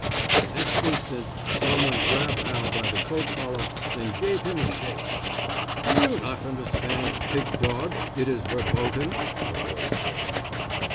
The next instant someone grabbed Al by the coat collar and gave him a shake. "Do you not understand pig dog it is verboten?" a voice said.